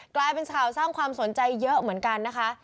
กลายเป็นข่าวสร้างความสนใจเยอะเหมือนกันนะคะ